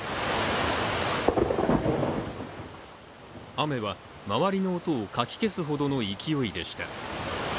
雨は、周りの音をかき消すほどの勢いでした。